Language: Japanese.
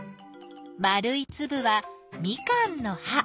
丸いつぶはミカンの葉。